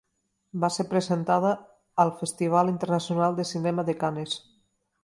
Va ser presentada al Festival Internacional de Cinema de Canes.